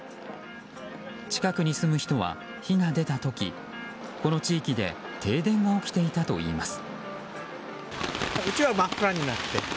近くに住む人は火が出た時この地域で停電が起きていたといいます。